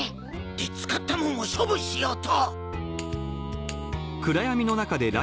で使ったもんを処分しようと。